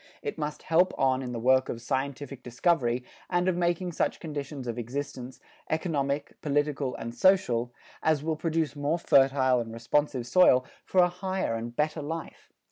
It must help on in the work of scientific discovery and of making such conditions of existence, economic, political and social, as will produce more fertile and responsive soil for a higher and better life.